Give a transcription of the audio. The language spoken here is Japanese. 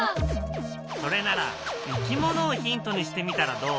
それならいきものをヒントにしてみたらどう？